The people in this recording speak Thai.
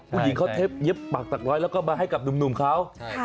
ผู้หญิงเขาเทปเย็บปากตักร้อยแล้วก็มาให้กับหนุ่มเขา